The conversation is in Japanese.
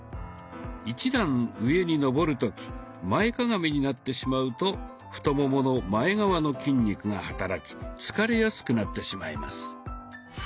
１段上に上る時前かがみになってしまうと太ももの前側の筋肉が働き疲れやすくなってしまいます。